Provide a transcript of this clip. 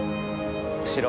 後ろ。